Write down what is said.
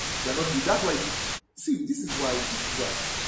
The quartz crystals are blue hexagonal bipyramids.